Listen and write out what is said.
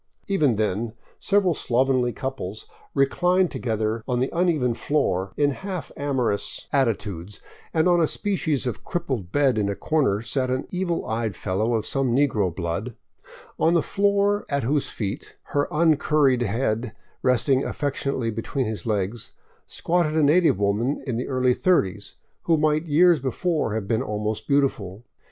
Even then several slov enly couples reclined together on the uneven floor in half amorous 555 VAGABONDING DOWN THE ANDES attitudes, and on a species of crippled bed in a corner sat an evil eyed fellow of some negro blood, on the floor at whose feet, her un curried head resting affectionately between his legs, squatted a native woman in the early thirties, who might years before have been almost beautiful.